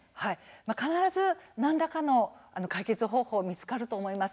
必ず何らかの解決方法が見つかると思います。